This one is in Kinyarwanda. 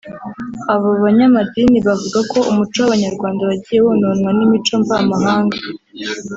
Aba banyamadini bavuga ko umuco w’Abanyarwanda wagiye wononwa n’imico mvamahanga